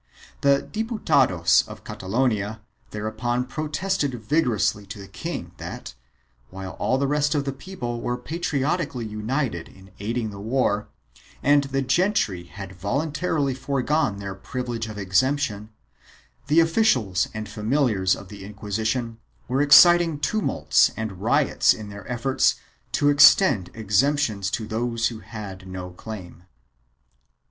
The Diputados of Catalonia there upon protested vigorously to the king that, while all the rest of the people were patriotically united in aiding the war, and the gentry had voluntarily foregone their privilege of exemption, the officials and familiars of the Inquisition were exciting tumults and riots in their efforts to extend exemptions to those who had no claim.